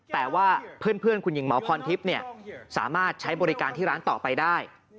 แต่ว่าเพื่อนคุณหญิงหมอพรทิพย์สามารถใช้บริการที่ร้านต่อไปได้